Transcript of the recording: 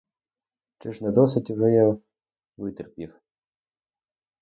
Чи ж не досить уже я витерпів?